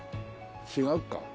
違うか。